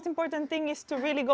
sebagai yang saya katakan sebelumnya